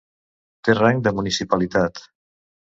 Té rang de municipalitat.